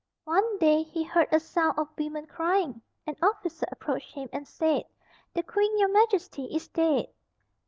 One day he heard a sound of women crying. An officer approached him and said, "The Queen, your Majesty, is dead."